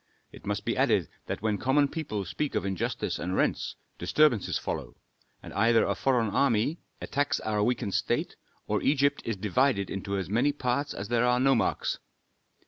It must be added that when common people speak of injustice and rents, disturbances follow; and either a foreign enemy attacks our weakened state, or Egypt is divided into as many parts as there are nomarchs.